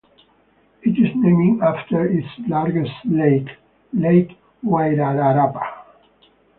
It is named after its largest lake, Lake Wairarapa.